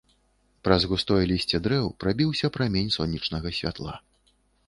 Праз густое лісце дрэў прабіўся прамень сонечнага святла.